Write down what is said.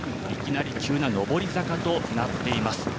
いきなり急な上り坂となっています。